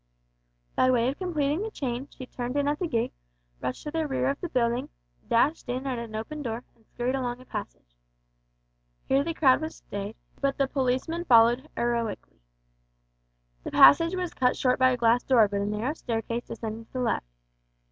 By way of completing the chain, she turned in at the gate, rushed to the rear of the building, dashed in at an open door, and scurried along a passage. Here the crowd was stayed, but the policeman followed heroically. The passage was cut short by a glass door, but a narrow staircase descended to the left.